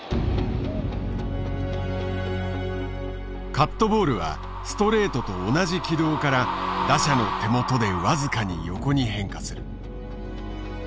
カットボールはストレートと同じ軌道から打者の手元で僅かに横に変化する。